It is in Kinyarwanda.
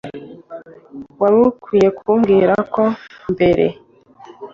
wari ukwiye kumbwira ko mbere